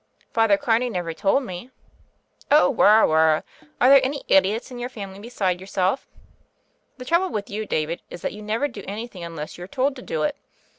"Father Carney never told me." "Oh, wirra, wirral Are there any idiots in your family beside yourself? The trouble with you, David, is that you never do anything un less you're told to do it.